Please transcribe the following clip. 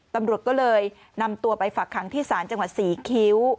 ตำรวจก็เลยนำตัวไปฝักขังที่ศาลจังหวัดศรีคิ้ว